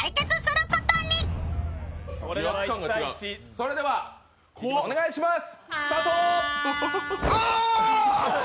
それではお願いします！